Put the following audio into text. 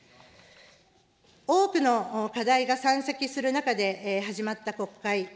多くの課題が山積する中で始まった国会。